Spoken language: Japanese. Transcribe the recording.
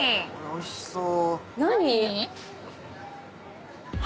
おいしそう。